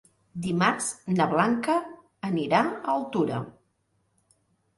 Dimarts na Blanca anirà a Altura.